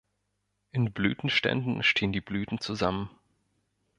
In Blütenständen stehen die Blüten zusammen.